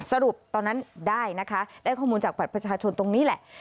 สรุปตอนนั้นได้นะคะได้ข้อมูลจากบัตรประชาชนตรงนี้แหละ